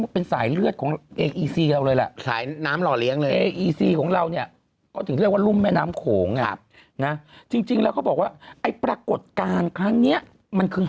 เพราะว่าอย่างนี้ก็จะเป็นสายเลือดของใบน้ำล่อเลี้ยง